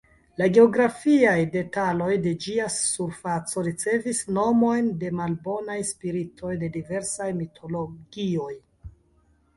La "geografiaj" detaloj de ĝia surfaco ricevis nomojn de malbonaj spiritoj de diversaj mitologioj.